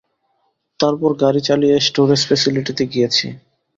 তারপর গাড়ি চালিয়ে স্টোরেজ ফ্যাসিলিটিতে গিয়েছি।